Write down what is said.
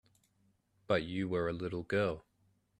But you were a little girl.